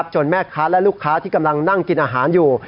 แม่ค้าและลูกค้าที่กำลังนั่งกินอาหารอยู่